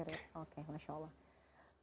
oke masya allah